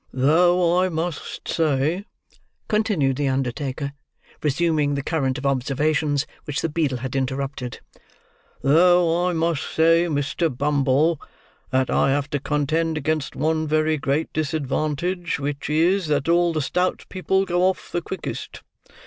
"Though I must say," continued the undertaker, resuming the current of observations which the beadle had interrupted: "though I must say, Mr. Bumble, that I have to contend against one very great disadvantage: which is, that all the stout people go off the quickest.